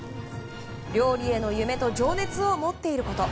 料理への夢と情熱を持っていること。